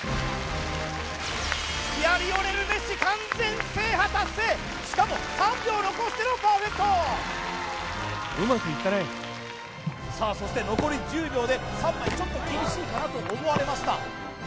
いやリオネル・メッシしかも３秒残してのパーフェクトさあそして残り１０秒で３枚ちょっと厳しいかなと思われましたま